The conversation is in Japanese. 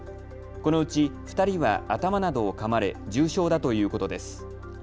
このうち２人は頭などをかまれ重傷だということです。